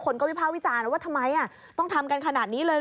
คนก็วิภาควิจารณ์ว่าทำไมต้องทำกันขนาดนี้เลย